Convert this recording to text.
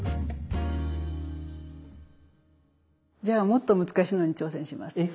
じゃあもっと難しいのに挑戦します。